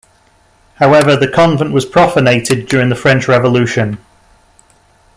However, the convent was profanated during the French Revolution.